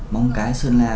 mong cái sơn la